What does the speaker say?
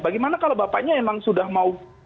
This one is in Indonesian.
bagaimana kalau bapaknya emang sudah mau